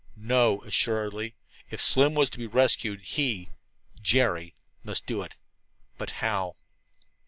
No, assuredly, if Slim was to be rescued, he, Jerry, must do it. But how?